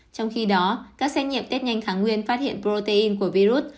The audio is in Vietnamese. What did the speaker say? trong khi đó các xét nghiệm tết nhanh kháng nguyên phát hiện protein của virus